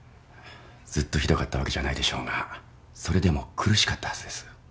ずっとひどかったわけじゃないでしょうがそれでも苦しかったはずです。